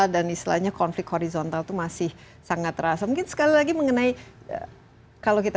dan istilahnya konflik horizontal tuh masih sangat terasa mungkin sekali lagi mengenai kalau kita